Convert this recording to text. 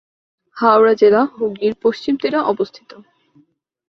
হাওড়া জেলা হুগলির পশ্চিম তীরে অবস্থিত।